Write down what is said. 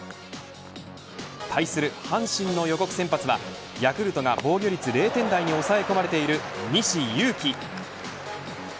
対する阪神の予告先発はヤクルトが防御率０点台に抑え込まれている西勇輝。